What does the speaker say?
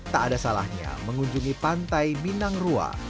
tak ada salahnya mengunjungi pantai minang rua